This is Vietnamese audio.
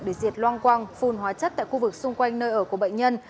để diệt loang quang phun hóa chất tại khu vực xung quanh nơi ở của bệnh nhân